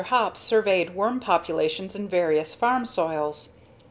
Hopp surveyed worm populations in various farm soils.